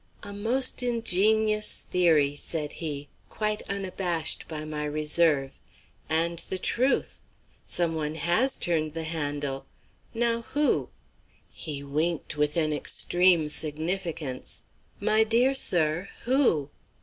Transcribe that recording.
"A most ingenious theory," said he, quite unabashed by my reserve, "and the truth. Someone has turned the handle. Now who?" He winked with an extreme significance. "My dear sir, who?"